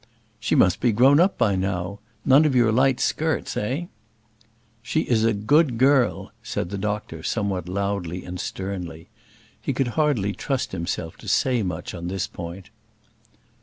"She must be grown up by now. None of your light skirts, eh?" "She is a good girl," said the doctor somewhat loudly and sternly. He could hardly trust himself to say much on this point.